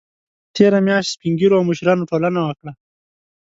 تېره میاشت سپین ږیرو او مشرانو ټولنه وکړه